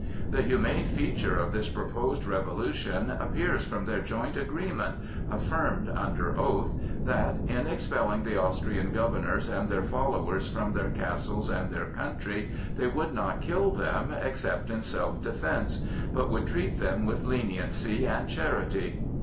The humane feature of this proposed revolution appears from their joint agreement, affirmed under oath, that, in expelling the Austrian governors and their followers from their castles and their country, they would not kill them except in self defence, but would treat them with leniency and charity.